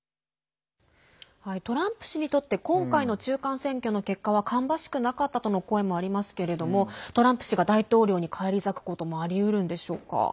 トランプ氏にとって今回の中間選挙の結果は芳しくなかったとの声もありますけれども、トランプ氏が大統領に返り咲くこともありうるんでしょうか。